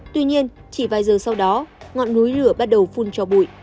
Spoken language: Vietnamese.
tuy nhiên chỉ vài giờ sau đó ngọn núi lửa bắt đầu phun cho bụi